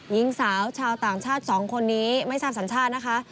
หญิงสาวชาวต่างชาติ๒คนนี้ไม่ทราบสัญชาตินะคะ